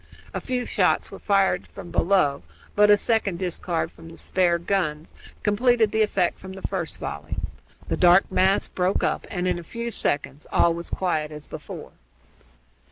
A few shots were fired up from below, but a second discharge from the spare guns completed the effect from the first volley. The dark mass broke up and, in a few seconds, all was as quiet as before.